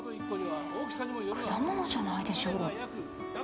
「果物じゃないでしょう」